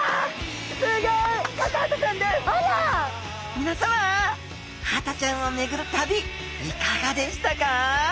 みなさまハタちゃんをめぐる旅いかがでしたか？